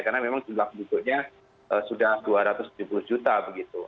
karena memang jualan butuhnya sudah rp dua ratus tujuh puluh juta begitu